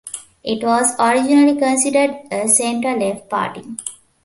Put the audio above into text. It was originally considered a centre-left party.